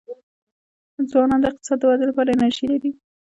ځوانان د اقتصاد د ودي لپاره انرژي لري.